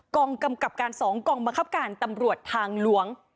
กองกำกับการ๒กองบังคับการตำรวจทางหลวง